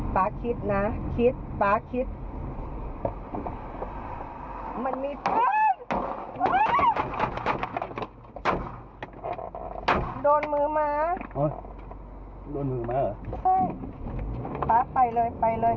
ไปลงมาเลย